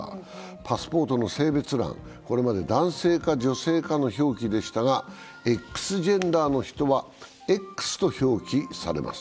パスポートの性別欄、これまで男性か女性かの表記でしたが、Ｘジェンダーの人は「Ｘ」と表記されます。